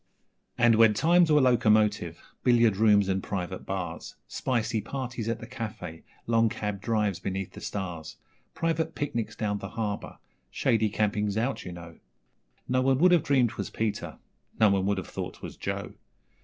And when times were locomotive, billiard rooms and private bars Spicy parties at the cafe long cab drives beneath the stars; Private picnics down the Harbour shady campings out, you know No one would have dreamed 'twas Peter no one would have thought 'twas Joe!